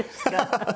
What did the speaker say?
ハハハハ！